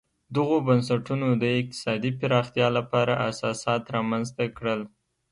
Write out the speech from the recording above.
دغو بنسټونو د اقتصادي پراختیا لپاره اساسات رامنځته کړل.